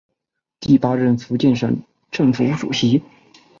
第八任福建省政府主席。